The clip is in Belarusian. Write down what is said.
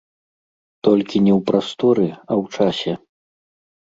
Толькі не ў прасторы, а ў часе.